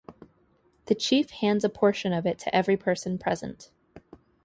The chief hands a portion of it to every person present.